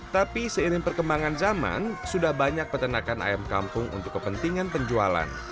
tapi seiring perkembangan zaman sudah banyak peternakan ayam kampung untuk kepentingan penjualan